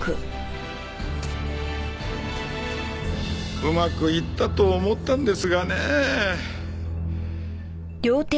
うまくいったと思ったんですがねえ。